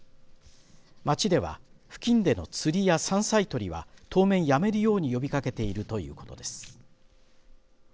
町では付近での釣りや山菜採りは当面やめるように呼びかけているということです。